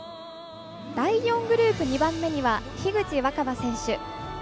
第４グループ２番目には樋口新葉選手。